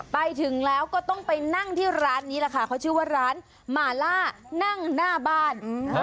ไปถึงแล้วก็ต้องไปนั่งที่ร้านนี้แหละค่ะเขาชื่อว่าร้านหมาล่านั่งหน้าบ้าน